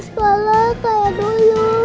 sekolah kayak dulu